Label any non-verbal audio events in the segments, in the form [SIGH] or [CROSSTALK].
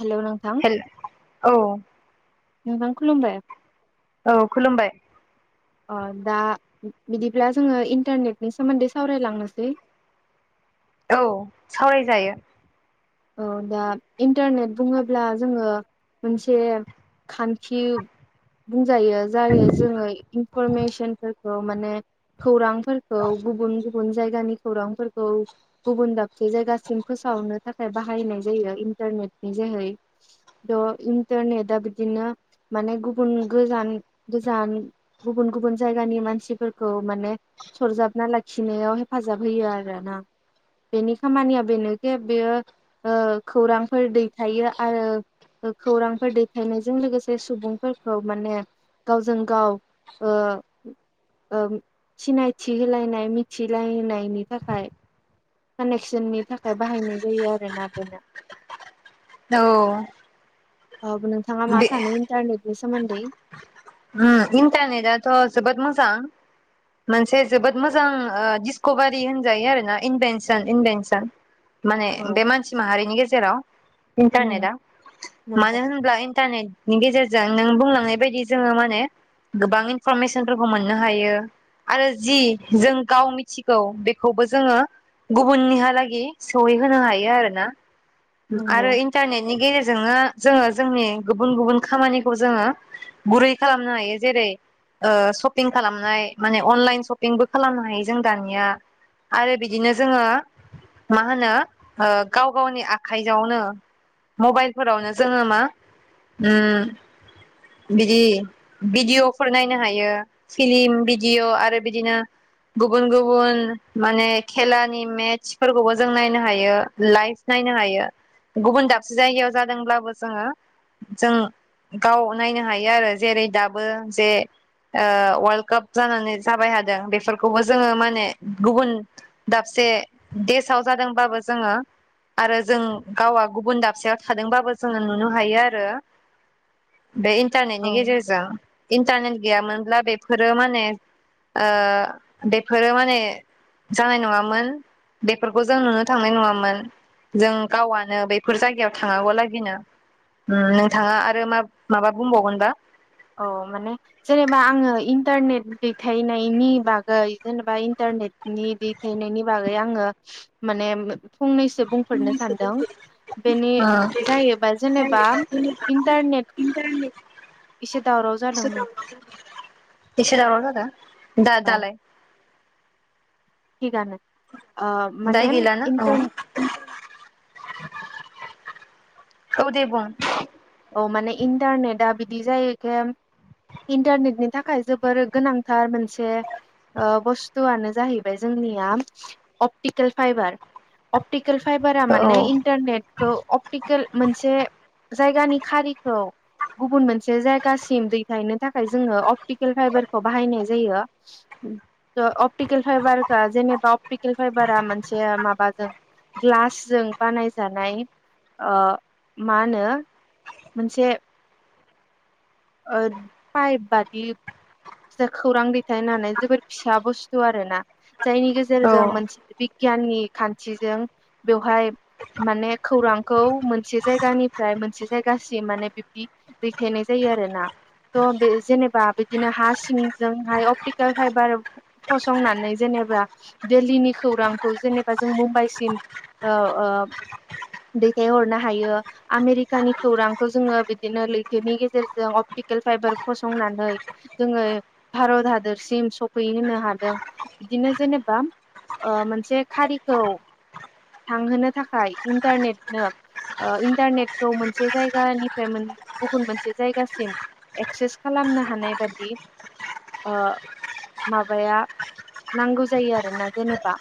Hello नोंथां हेल औ नोंथां खलुमबाय औ खुलुमबाय अ दा बिदिब्ला जोङो इन्टारनेटनि सोमोन्दै सावरायलांनोसै। औ सावरायजायो। औ दा इन्टारनेट बुङोब्ला जोङो मोनसे खान्थि बुंजायो जायो जोङो इनफरमेसनफोरखौ माने खौरां फोरखौ गुबुन गुबुन जाय गानि खौरांफोरखौ गुबुन दाब से जायगासिम फोसावनो बाहायनाय जायो इन्टारनेटनि जोहै। ट' इन्टारनेटआ बिदिनो माने गुबुन गोजान गोजान गुबुन गुबुन जायगानि मानसिफोरखौ माने सरजाबना लाखिनायाव हेफाजाब होयो आरोना। बेनि खामानिया बेनोखे बेयो ओ खौरांफोर दैथाइयो आरो खौरांफोर दैथाइनायजों लोगोसे सुबुंफोरखौ माने गावजों गाव ओ ओ सिनायथि होलायनाय मिथिलायहोनायनि थाखाय कानेक्सननि थाखाय बाहायनाय जायो आरो। बेना बेना औ। अ नोंथाङा मा बे सानो इन्टारनेट नि सोमोनदै? ओम इन्टारनेटथ' जोबोद मोजां। मोनसे जोबोद मोजां डिसकभारि होनजायो आरोना इनभेनसन इनभेनसन। माने औ बे मानसि माहारिनि गेजेराव उम इन्टारनेटआ मानो नंगौ होनब्ला इन्टारनेट नि गेजेरजों नों बुंलांनाय बायदि जोङो माने गोबां इनफरमेसनफोरखौ मोननो हायो आरो जि जों गाव मिथिगौ बेखौबो जोङो गुबुननिहालागि सहैहोनो हायो आरोना। नंगौ आरो इन्टारनेटनि गेजेरजोंनो जोङो जोंनि गुबुन गुबुन खामानिखौ जोङो गुरै खालामनो हायो। जेरै ओ सपिं खालामनाय माने अनलाइन सपिंबो खालामनो हायो जों दानिया आरो बिदिनो जोङो मा होनो ओ गाव गावनि आखाइजावनो मबाइलफोरावनो जोङो मा उम बिदि भिडिअ'फोर नायनो हायो फिलिम भिडिअ आरो बिदिनो गुबुन गुबुन माने खेलानि मेट्सफोरखौबो जों नायनो हायो लाइभ नायनो हायो गुबुन दाबसे जायगायाव जादोंब्लाबो जोङो जों गाव नायनो हायो आरो जेरै दाबो जे ओ वाल्ड काप जानानै जाबाय हादों बेफोरखौबो जोङो माने गुबुन दाबसे देसाव जादोंबाबो जोङो आरो जों गावआ गुबुन दाबसेयाव थादोंबाबो जोङो नुनो हायो आरो। बे इन्टारनेटनि औ गेजेरजों। इन टारनेट गैयामोनब्ला बेफोरो माने ओ बेफोरो माने जानाय नङामोन। माबा बुंबावगोन बा? औ माने जेनेबा आङो इन्टारनेट दैथायनायनि बागै जेनेबा इन्टारनेटनि दैथायनायनि बागै आङो माने फंनैसो बुंफोरनो सानदों। बेनि जाहैबाय जेनेबा इन्टारनेट फंनैसो एसे दावराव जादों एसे नोंथां दावराव जादों। एसे दावराव जालों, दा ओं दालाय? थिगानो। ओ माने दायो गैला ना? ओं। इन्टारने औ दे बुं। औ माने इन्टारनेटआ बिदि जायोखे इन्टारनेटनि थाखाय जोबोर गोनांथार मोनसे ओ बुस्थुआनो जाहैबाय जोंनिया अपटिकेल फाइबार। अपटिक केल फाइबारा औ माने इन्टारनेटखौ अपटिकेल मोनसे जायगानि खारिखौ गुबुन मोनसे जायगासिम दैथायनो थाखाय जोङो अपटिकेल फाइबारखौ बाहायनाय जायो। ट' अपटिकेल फाइबारखौ जेनेबा अपटिकेल फाइबारा मोनसे माबाजों ग्लासजों बानायजानाय ओ मा होनो मोनसे ओद पाइप बादिसा खौरां दैथाइनो हानाय जोबोर फिसा बुस्थु आरो ना। जायनि गेजेरजों औ मोनसे पिक गियाननि खान्थिजों बेवहाय माने खौरांखौ मोनसे जायगानिफ्राय मोनसे जायगासिम माने बिब्दि दैथायनाय जायो आरो ना दं बे जेनेबा बिदिनो हा सिंजोंहाय अपटिकेल फाइबार फसंनानै जेनेबा दिल्लीनि खौरांखौ जेनेबा जों मुम्बाइसिम ओ ओ दैथायहरनो हायो आमेरिकानि खौरांखौ जोङो बिदिनो लैथोनि गेजेरजों अप टिकेल फाइबार फसंनानै जोङो भारत हादोरसिम सफै होनो हादों बिदिनो जेनेबा ओ मोनसे खारिखौ थांहोनो थाखाय इन्टारनेटनो ओ इन्टारनेटखौ मोनसे जायगानिफ्राय मोन गुबुन मोनसे जायगासिम एक्सेस खालामनो हानायबादि ओ माबाया नांगौ जायो आरोना जेनेबा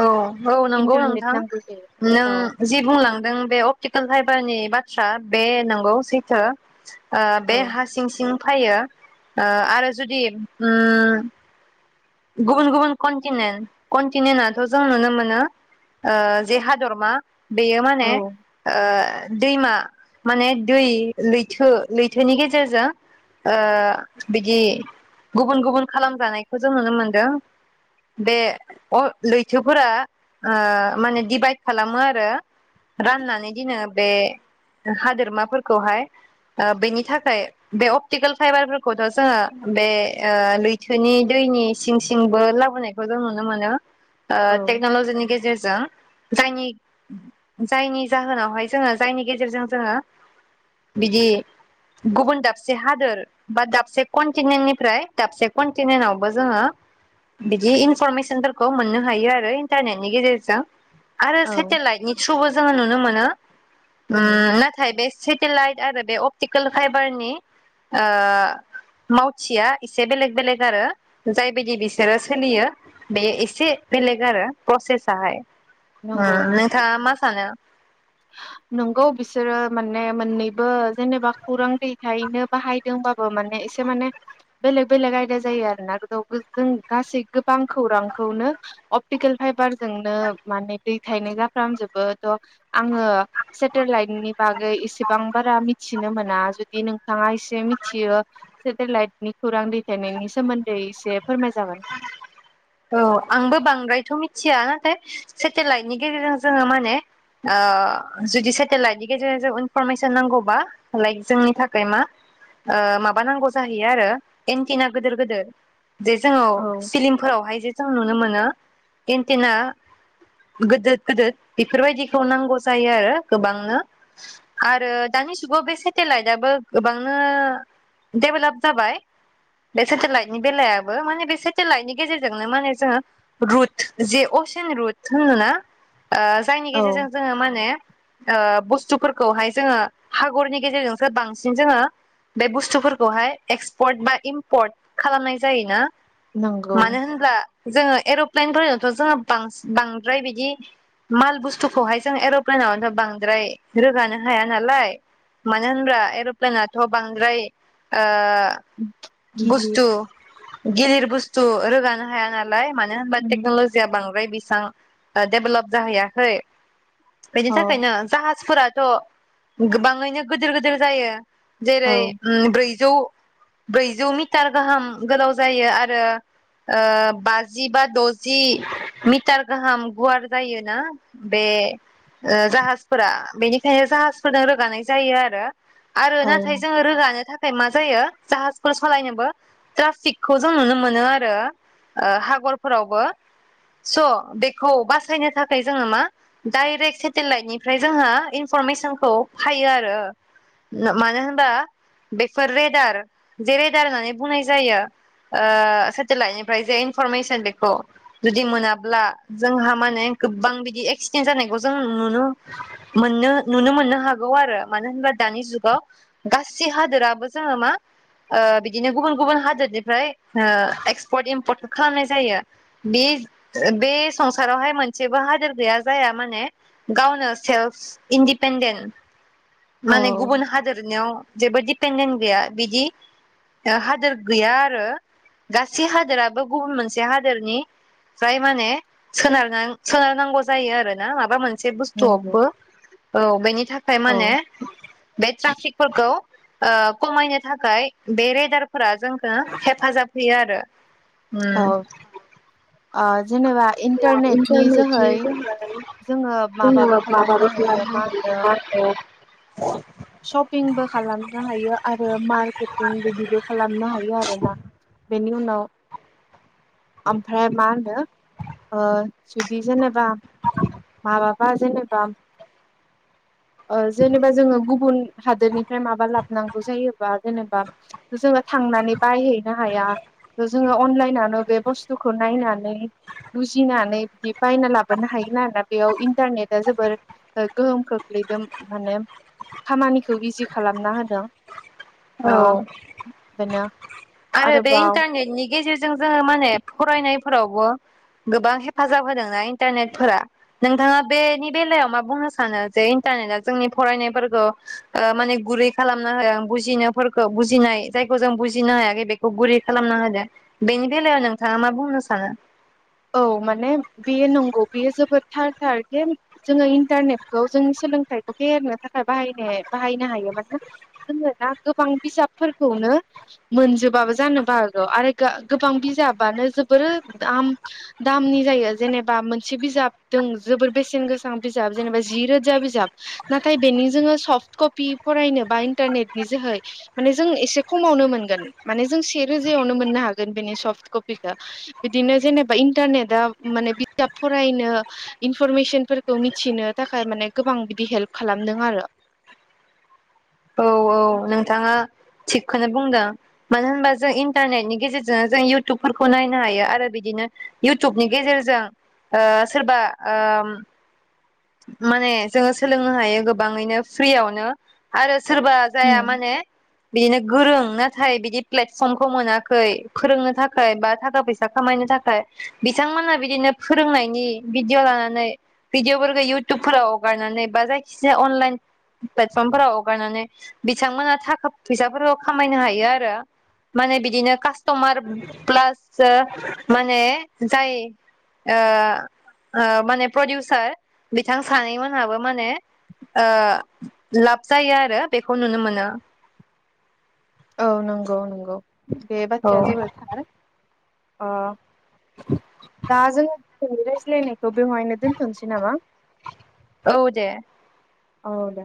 औ औ नंगौ इन्टारनेट नोंथां नांगौ जायो नों औ जि बुंलांदों बे अपटिकेल फाइबारनि बाथ्रा बे नंगौ सैथो ओ बे औ हा सिं सिं फायो ओ आरो जुदि उम गुबुन गुबुन कन्टिनेन्ट कन्टिनेन्टथ जों नुनो मोनो ओ जे हादरमा बेयो औ माने ओ दैमा माने दै लैथो लैथोनि गेजेरजों ओ बिदि गुबुन गुबुन खालामजानायखौ जों नुनो मोनदों बे अ लैथोफोरा ओ माने दिभाइद खालामो आरो राननानै दिनो बे हादोरमाफोरखौहाय ओ बेनि थाखाय बे अपटिकेल फाइबारफोरखौथ जोङो बे ओ लैथोनि दैनि सिं सिंबो लाबोनायखौ जों नुनो मोनो ओ औ टेक्नलजिनि गेजेरजों जायनि जायनि जाहोनावहाय जोङो जायनि गेजेरजों जोङो बिदि गुबुन दाबसे हादोर बा दाबसे कन्टिनेन्टनिफ्राय दाबसे कन्टिनेन्टआव जोंङो बिदि इनफरमेसनफोरखौ मोननो हायो आरो इन्टारनेटनि गेजेरजों आरो औ सेटेलायटनि थबो जोङो नुनो मोनो उम नाथाय बे सेटेलायट आरो बे अपटिकेल फाइबारनि ओ मावथिया एसे बेलेग बेलेग आरो जायबायदि बिसोरो सोलियो बेयो एसे बेलेग आरो प्रसेसाहाय उ नंगौ नंगौ नोंथाङा मा सानो? नंगौ बिसोरो माने मोननैबो जेनेबा खौरां दैथायनो बाहायदोंबाबो माने एसे माने बेलेक बेलेग आयदा जायो आरोना गो जों गासै गोबां खौरांखौनो अपटिकेल फाइबार जोंनो माने दैथायनाय जाफ्रामजोबोथ' आङो सेटेलाइटनि बागै एसेबां बारा मिथिनो मोना जुदि नों थाङा एसे मिथियो सेटेलाइटनि खौरां दैथायनायनि सोमोन्दै एसे फोरमाय जागोन औ आंबो बांद्रायथ' मिथिया नाथाय सेटेलाइटनि गेजेरजों जोङो माने ओ जुदि सेटेलाइटनि गेजेरजों जों इनफरमेसन नांगौबा लाइक जोंनि थाखाय मा ओ माबा नांगौ जाहैयो आरो एन्टिना गोदोर गोदोर जे जोङो औ सिलिमफोरावहाय [UNINTELLIGIBLE] मोनो एनटेना गोदोद गोदोद बेफोरबादिखौ नांगौ जायो आरो गोबांनो आरो दानि जुगाव बे सेटेलायदाबो गोबानो देभेलभ जाबाय बे सेटेलाइटनि बेलायावबो माने बे सेटेलाइटनि गेजेर नो माने जोङो रुथ जे असिन रुथ होनो ना ओ जायनि औ गेजेरजों जोङो माने ओ बुस्थुफोरखौहाय जोङो हागरनि गेजेरजोंसो बांसिन जोङो बे बुस्थुफोरखौहाय एक्सपर्ट बा इमपर्ट खालामनाय जायोना नंगौ मानो होनब्ला जोङो एर'प्लेनफोरजोंथ' जोङो बांस बांद्राय बिदि माल बुस्थुखौहाय जों एर'प्लेनावथ' बांद्राय रोगानो हाया नालाय मानो होनबा एर'प्लनाथ' बांद्राय ओ गिलिर बुस्थु गिलिर बुस्थ थु रोगानो हायाना लाय मानो होनबा उम टेकनलजिया बांद्राय बेसां ओ डेभलप जाहैयाखै बेनि औ थाखायनो जाहाज फोराथ गोबाङैनो गोदोर गोदोर जायो औ जेरै उम ब्रै जौ ब्रैजौ मिटार गाहाम गोलाव जायो आरो ओ बाजि बा दजि मिटार गाहाम गुवार जायोना बे ओ जाहाजफोरा बेनिखायनो जाहाजफोरनो रोगानाय जायो आरो आरो औ नाथाय जोङो नंगौ रोगानो थाख थाय मा जायो जाहाजफोर सलायनोबो ट्राफिकखौ जों नुनो मोनो आरो ओ हागरफोरावबो स बेखौ बासायनो थाखाय जोङो मा डाइरेक्ट सेटेलाइटनिफ्राय जोंहा इनफरमेसनखौ हायो आरो मानो होनबा बेफोर रेदार जे रेदार होननानै बुंनाय जायो ओ सेटेलाइटनि ओमफ्राय जे इनफरमेसन बेखौ जुदि मोनाब्ला जोंहा माने गोबां बिदि एक्सिडेन्ट जानायखौ जों नुनो मोननो नुनो मोननो हागौ आरो मानो होनबा दानि जुगाव गासै हादोराबो जोङो मा ओ बिदिनो गुबुन गुबुन हादोरनिफ्राय ओ एक्स पर्ट इमपर्ट खालामनाय जायो बे बे संसारावहाय मोनसेबो हादोर गैया जायहा माने गावनो सेल्फ इन्डिपेन्डेन्ट माने औ गुबुन हादरनियाव जेबोद दिपेन्डेन्ट गैया बिदि हादोर गैया आरो गास से हादोराबो गुबुन मोनसे हादोरनि जाय माने सोनारनां सोनारनांगौ जायो आरो माबा मोन नसे नंगौ बुस्थुआवबो औ बेनि थाखाय औ माने बे ट्राफिकफोरखौ ओ खमायनो थाखाय बे रेडारफोरा जोंखो हेफाजाब होयो आरो उम आ जेनेबा इन्टारनेट नि जोहै जोङो माबाबो जोङो खालामनो हायो खालामनो मा हायो होनो होनो सपिंबो खालामनो हायो आरो मार्केटिं बिदिबो खालामनो हायो आरोना बेनि [UNINTELLIGIBLE] ओमफ्राय मा होनो ओ जुदि जेनेबा माबाबा जेनेबा ओ जेनेबा जोङो गुबुन हादोरनिफ्राय माबा लाब नांगौ जायोबा जेनेबा जोङो थांनानै बायहै हाया जोङो अनलाइनो बे बुस बुस्थुखौ नायनानै बुजिनानै बिदि बायना लाबोनो हायो आरोना बेयाव इन्टारनेटा जोबोर गोहोम खोख्लैदों माने खामानिखौ इजि खालामना होदों ओ औ बेनो आरो बे आरोबाव इन्टरनेट नि गेजेरजों जोङो माने फरायनाय फोरावबो गोबां हेफाजाब होदोंना इन्टरनेट फोरा नोंथाङा बेनि बेलायाव मा बुंनो सानो जे इन्टरनेट आ जोंनि फरायनाय फोरखौ ओ माने व गुरै होदों बुजिनाय फोरखौ बुजिनाय जायखौ जों बुजिनो हायाखै बेखौ गुरै खालामना होदो बेनि बेलायाव नोंथाङा मा बुंनो सानो? औ माने बेयो नंगौ बेयो जोबोर थार थारदि जोङो इन्टारनेटखौ जोंनि सोलोंथाइखौ फेहेरनो थाखाय बाहायनो बाहायनो हायो मानोना जोङो दा गोबां बिजाबफोरखौनो मोनजोबाबो जानोबो हागौ आरो गोबां बिजाबानो जोबोर दाम दामनि जायो जेनेबा मोनसे बिजाब दों जोबोर बेसेन गोसा बिजाब जेनेबा जि रोजा बिजाब नाथाय बेनि जोङो सफ्ट कपि फरायनो बा इन्टारनेटनि जोहै माने जों एसे खमावनो मोनगोन माने जों से रोजायावनो मोननो हागोन बेनि सफ्ट कपिखौ बिदिनो जेनेब बा इन्टारनेट आ माने बिजाब फरायनो इनफरमेसनफोरखौ मिथिनो थाखाय माने गोबां बिदि हेल्प खालामदों आरो औ औ नोंथाङा थिगखौनो बुंदों मानो होनबा जों इन्टारनेटनि गेजेरजोंनो जों इउटुबफोरखौ नायनो हायो आरो बिदिनो इउटुबनि गेजेरजों ओ सोरबा ओ माने जोङो सोलोंनो हायो गोबाङैनो फ्रियावनो आरो सोरबा जाया माने बिदिनो गोरों नाथाय बिदि प्लेटफर्मखौ मोनाखै फोरोंनो थाखाय बा थाखा फैसा खामायनो थाखाय बिथांमोना बिदिनो फोरोंनायनि भिडिअ लानानै भिडिअ फोरखौ इउटुबफोराव हगारनानै बा जायखिजाया अनलाइन प्लेटफर्मफोराव हगारनानै बिथांमोना थाखा फैसाफोरखौ खामायनो हायो आरो माने बिदिनो कास्टमार प्लास माने जाय ओ ओ माने प्रडिउसार बिथां सानै मोनहाबो माने ओ लाब जायो आरो बेखौ नुनो मोनो औ नंगौ नंगौ बे औ बाथ्राया जोबोर थार अ दा जोङोनि रायज्लायनायखौ बेवहायनो दोन्थ'नोसै नामा औ दे औ दे